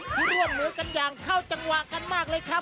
ที่ร่วมมือกันอย่างเข้าจังหวะกันมากเลยครับ